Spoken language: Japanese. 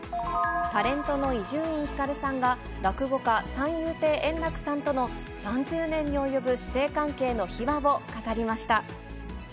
タレントの伊集院光さんが、落語家、三遊亭円楽さんとの、３０年に及ぶ師弟関係の秘話を語りました。